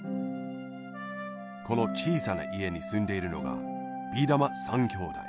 このちいさないえにすんでいるのがビーだま３兄弟。